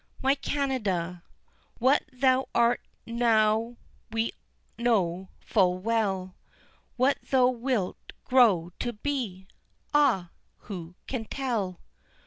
My Canada! What thou art now we know full well, What thou wilt grow to be? Ah! who can tell?